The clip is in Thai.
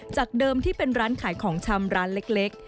จากเดิมที่เป็นร้านขายของชำร้านเล็ก